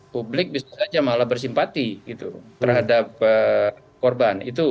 publik bisa saja malah bersimpati terhadap korban